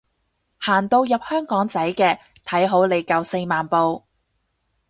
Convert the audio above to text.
行到入香港仔嘅，睇好你夠四萬步